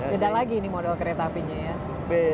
beda lagi ini model kereta apinya ya